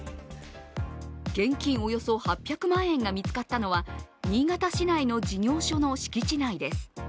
現金およそ８００万円が見つかったのは新潟市内の事業所の敷地内です。